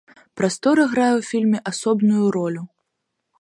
Прастора грае ў фільме асобную ролю.